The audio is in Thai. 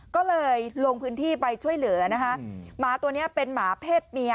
ก็เลยลงพื้นที่ไปช่วยเหลือนะคะหมาตัวนี้เป็นหมาเพศเมีย